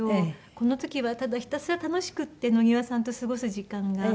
この時はただひたすら楽しくって野際さんと過ごす時間が。